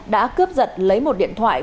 đã cướp giật lấy một điện thoại